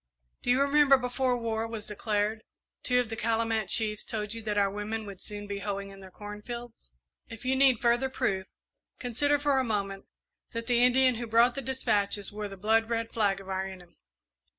Do you remember, before war was declared, two of the Calumet chiefs told you that our women would soon be hoeing in their corn fields? If you need further proof, consider for a moment that the Indian who brought the despatches wore the blood red flag of our enemy.